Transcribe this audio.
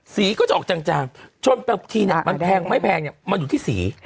สีก็จะออกจางช่วงแต่ทีเนี่ยมันแพงไม่แพงมันอยู่ที่สี